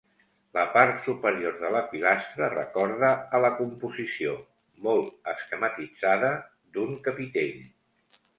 La part superior de la pilastra recorda a la composició, molt esquematitzada, d'un capitell.